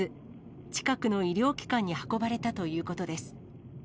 近くの医療機関に運ばれたということです。